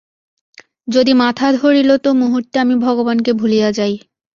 যদি মাথা ধরিল তো মুহূর্তে আমি ভগবানকে ভুলিয়া যাই।